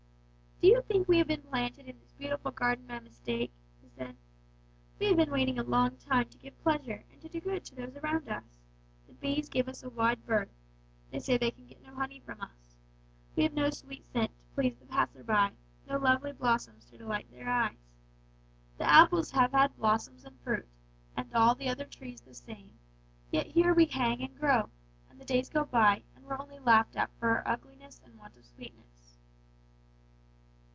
"'Do you think we have been planted in this beautiful garden by mistake?' they said. 'We have been waiting a long time to give pleasure and to do good to those around us. The bees give us a wide berth they say they can get no honey from us; we have no sweet scent to please the passer by, no lovely blossoms to delight their eyes. The apples have had blossoms and fruit, and all the other trees the same, yet here we hang and grow, and the days go by and we're only laughed at for our ugliness and want of sweetness.'